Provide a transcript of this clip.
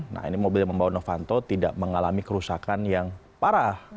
nah ini mobil yang membawa novanto tidak mengalami kerusakan yang parah